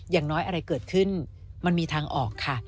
อย่างน้อยอะไรเกิดขึ้นมันมีทางออกค่ะ